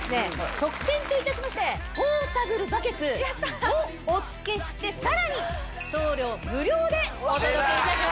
特典といたしましてポータブルバケツもお付けしてさらに送料無料でお届けいたします。